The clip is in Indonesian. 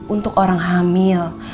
untuk orang hamil